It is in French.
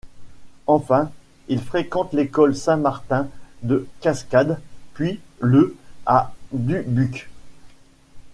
Enfant, il fréquente l'école Saint-Martin de Cascade puis le à Dubuque.